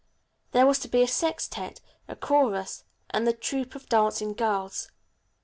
There was to be a sextette, a chorus and a troupe of dancing girls.